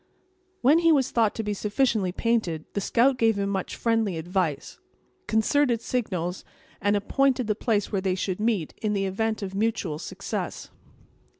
When he was thought to be sufficiently painted, the scout gave him much friendly advice; concerted signals, and appointed the place where they should meet, in the event of mutual success.